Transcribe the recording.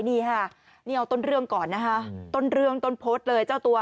นี่ค่ะนี่เอาต้นเรื่องก่อนนะคะต้นเรื่องต้นโพสต์เลยเจ้าตัว